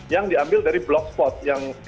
yang diambil dari blogspot yang kredibilisasi